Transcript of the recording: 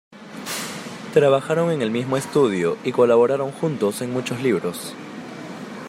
Trabajaron en el mismo estudio y colaboraron juntos en muchos libros.